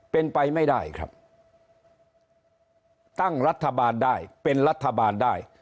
เป็นไปไม่ได้ครับตั้งรัฐบาลได้เป็นรัฐบาลได้